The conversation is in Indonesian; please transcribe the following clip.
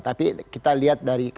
tapi kita lihat dari